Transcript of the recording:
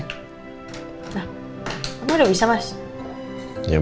kamu udah bisa mas